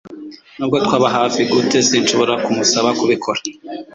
Nubwo twaba hafi gute, sinshobora kumusaba kubikora.